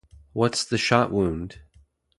What's the shot wound?